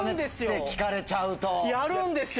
あるんですよ。